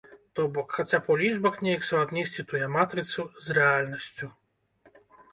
То бок, хаця б у лічбах неяк суаднесці тую матрыцу з рэальнасцю.